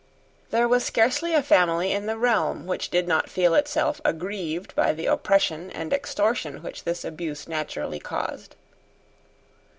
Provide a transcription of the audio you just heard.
There was scarcely a family in the realm which did not feel itself aggrieved by the oppression and extortion which this abuse naturally caused.